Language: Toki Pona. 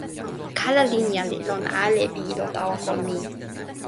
kala linja li lon ale pi ilo tawa kon mi.